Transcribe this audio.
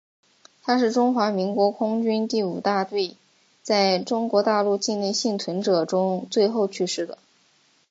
他是中华民国空军第五大队在中国大陆境内幸存者中最后去世的。